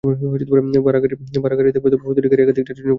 ভাড়া গাড়ি থাকবে, তবে প্রতিটি গাড়ি একাধিক যাত্রীর জন্য বরাদ্দ করা হবে।